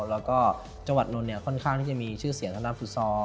แล้วก็จังหวัดนนท์ค่อนข้างที่จะมีชื่อเสียงทางด้านฟุตซอล